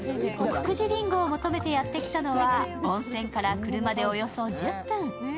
久慈りんごを求めてやってきたのは温泉から車でおよそ１０分。